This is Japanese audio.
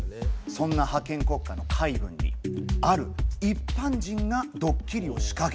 そんな覇権国家の海軍にある一般人がドッキリを仕掛けたんです。